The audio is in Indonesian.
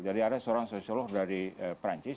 jadi ada seorang sosiolog dari perancis